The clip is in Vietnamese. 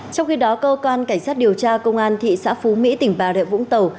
trong khi đó cơ quan cảnh sát điều tra công an thị xã phú mỹ tỉnh bà rịa vũng tàu